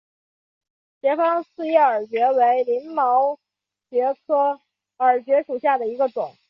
斜方刺叶耳蕨为鳞毛蕨科耳蕨属下的一个种。